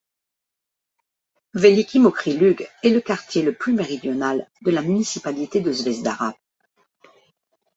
Veliki Mokri Lug est le quartier le plus méridional de la municipalité de Zvezdara.